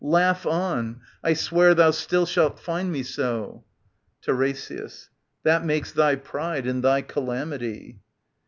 Laugh on. I swear thou still shalt find me so, TiRESIAS. That makes thy pride and thy calamity.